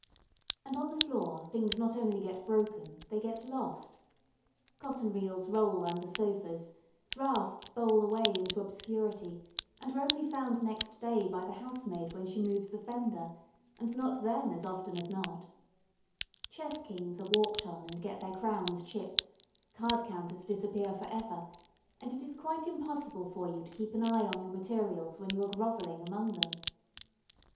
And on the floor things not only get broken, they get lost. Cotton reels roll under sofas, draughts bowl away into obscurity and are only found next day by the housemaid when she moves the fender, and not then, as often as not; chess kings are walked on and get their crowns chipped; card counters disappear for ever, and it is quite impossible for you to keep an eye on your materials when you are grovelling among them.